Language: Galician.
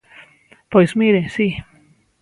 Pois mire, si.